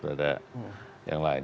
ada yang lain